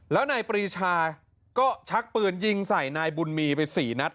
แล้วนายปรีชาก็ชักปืนยิงใส่นายบุญมีไป๔นัด